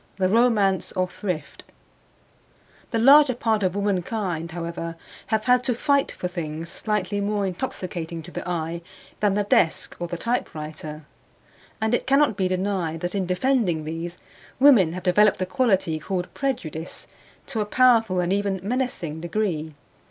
THE ROMANCE OF THRIFT The larger part of womankind, however, have had to fight for things slightly more intoxicating to the eye than the desk or the typewriter; and it cannot be denied that in defending these, women have developed the quality called prejudice to a powerful and even menacing degree.